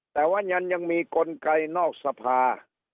แต่ว่ายังยังมีกลไกนอกสภา